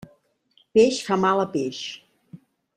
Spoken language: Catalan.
Peix fa mal a peix.